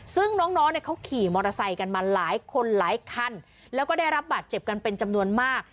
ซึ่งน้องเนี่ยเขาขี่มอเตอร์ไซค์กันมาหลายคนหลายคันแล้วก็ได้รับบาดเจ็บกันเป็นจำนวนมาก